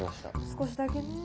少しだけね。